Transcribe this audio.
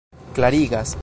klarigas